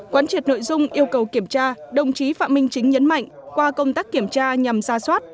quán triệt nội dung yêu cầu kiểm tra đồng chí phạm minh chính nhấn mạnh qua công tác kiểm tra nhằm ra soát